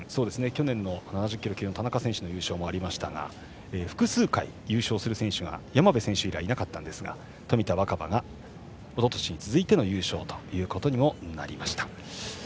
去年の７０キロ級の田中選手の優勝もありましたが複数回優勝する選手が山部選手以来いなかったんですが冨田若春が、おととしに続いての優勝となりました。